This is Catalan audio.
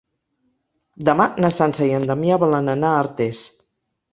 Demà na Sança i en Damià volen anar a Artés.